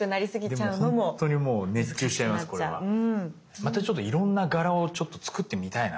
またちょっといろんな柄をちょっと作ってみたいな。